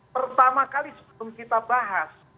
pertama kali sebelum kita bahas